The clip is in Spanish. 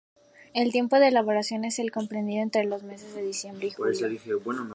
El tiempo de elaboración es el comprendido entre los meses de diciembre y julio.